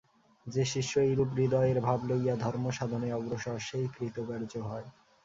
যে শিষ্য এইরূপ হৃদয়ের ভাব লইয়া ধর্মসাধনে অগ্রসর, সেই কৃতকার্য হয়।